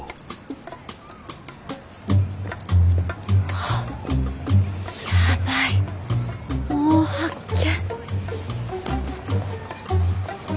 あっヤバいもう発見。